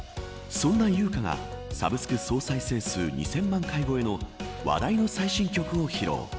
そんな由薫がサブスク総再生数２０００万回超えの話題の最新曲を披露。